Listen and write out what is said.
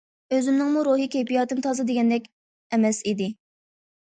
ئۆزۈمنىڭمۇ روھىي- كەيپىياتىم تازا دېگەندەك ئەمەس ئىدى.